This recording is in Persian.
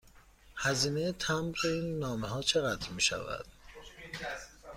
هزینه مبر این نامه ها چقدر می شود؟